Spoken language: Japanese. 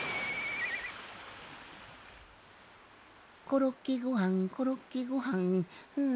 「コロッケごはんコロッケごはん」んん。